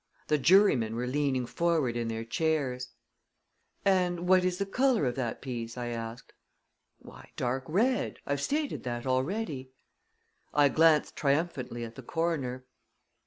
The jurymen were leaning forward in their chairs. "And what is the color of that piece?" I asked. "Why, dark red. I've stated that already." I glanced triumphantly at the coroner.